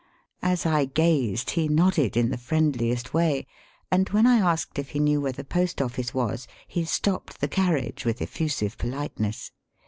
As I gazed he nodded in the friendliest way, and when I asked if he knew where the post * office was he stopped the carriage with effusive politeness.